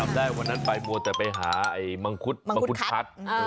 ไม่ได้กว่านั้นไปบังจะไปหามังคุดคัต